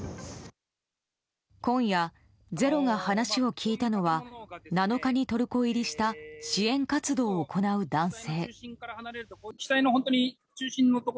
今夜、「ｚｅｒｏ」が話を聞いたのは７日にトルコ入りした支援活動を行う男性。